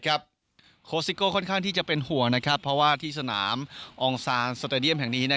โคสิโก้ค่อนข้างที่จะเป็นห่วงเพราะว่าที่สนามอองซานสเตดียมแห่งนี้